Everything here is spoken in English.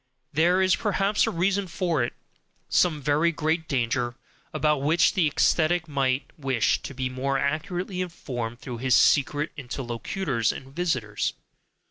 There is perhaps a reason for it, some very great danger, about which the ascetic might wish to be more accurately informed through his secret interlocutors and visitors?